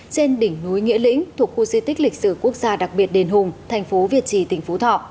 trên đỉnh núi nghĩa lĩnh thuộc khu di tích lịch sử quốc gia đặc biệt đền hùng thành phố việt trì tỉnh phú thọ